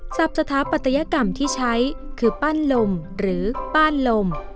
สถาปัตยกรรมที่ใช้คือปั้นลมหรือปั้นลม